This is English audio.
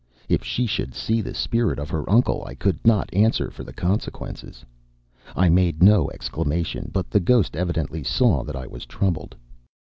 If she should see the spirit of her uncle, I could not answer for the consequences. I made no exclamation, but the ghost evidently saw that I was troubled.